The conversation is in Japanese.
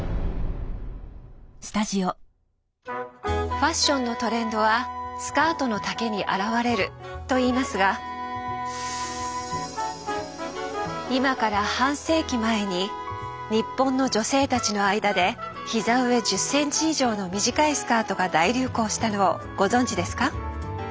ファッションのトレンドはスカートの丈に表れるといいますが今から半世紀前に日本の女性たちの間で膝上１０センチ以上の短いスカートが大流行したのをご存じですか？